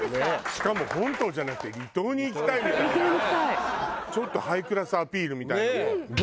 しかも本島じゃなくて離島に行きたいみたいななんかちょっとハイクラスアピールみたいな。